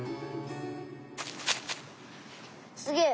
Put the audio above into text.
すげえ！